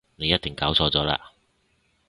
你一定搞錯咗喇